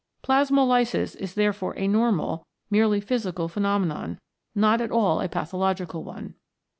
Plasmolysis is therefore a normal, merely physical phenomenon, not at all a pathological one.